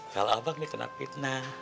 kalau abang ini kena fitnah